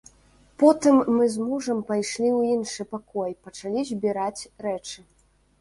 Потым мы з мужам пайшлі ў іншы пакой, пачалі збіраць рэчы.